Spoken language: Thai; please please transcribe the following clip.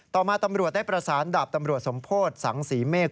ต่อมาตำรวจได้ประสานดาบตำรวจสมโพธิสังศรีเมฆ